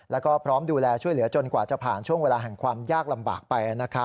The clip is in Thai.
แล้วก็พร้อมดูแลช่วยเหลือจนกว่าจะผ่านช่วงเวลาแห่งความยากลำบากไป